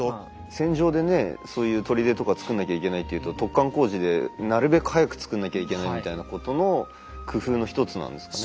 戦場でねそういう砦とか造んなきゃいけないっていうと突貫工事でなるべく早く造んなきゃいけないみたいなことの工夫の１つなんですかね。